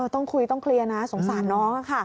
ต้องคุยต้องเคลียร์นะสงสารน้องค่ะ